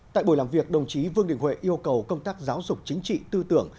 tại buổi làm việc đồng chí vương đình huệ yêu cầu công tác giáo dục chính trị tư tưởng